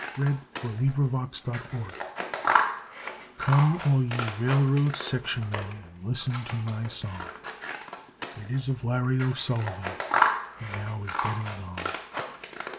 JERRY, GO ILE THAT CAR Come all ye railroad section men an' listen to my song, It is of Larry O'Sullivan who now is dead and gone.